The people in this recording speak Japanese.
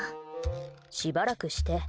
しばらくして。